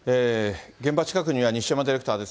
現場近くには西山ディレクターです。